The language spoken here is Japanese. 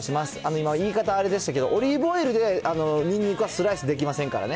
今、今、言い方はあれでしたけど、オリーブオイルでニンニクはスライスできませんからね。